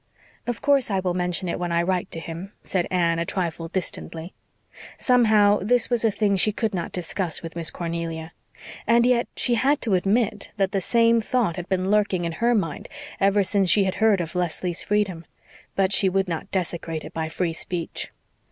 "Of course I will mention it when I write him," said Anne, a trifle distantly. Somehow, this was a thing she could not discuss with Miss Cornelia. And yet, she had to admit that the same thought had been lurking in her mind ever since she had heard of Leslie's freedom. But she would not desecrate it by free speech.